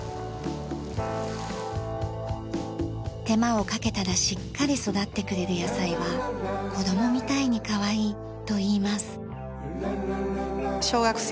手間をかけたらしっかり育ってくれる野菜は子どもみたいにかわいいといいます。